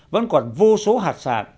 vẫn còn vô số hạt sản